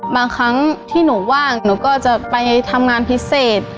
บางครั้งที่หนูว่างหนูก็จะไปทำงานพิเศษ